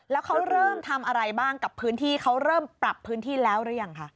แล้วเขาเริ่มทำอะไรบ้างกับพื้นที่เขาเริ่มปรับพื้นที่แล้วหรือยังคะ